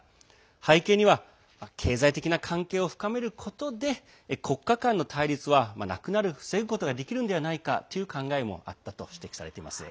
背景には経済的な関係を深めることで国家間の対立はなくなる防ぐことができるのではないかという考えも指摘されています。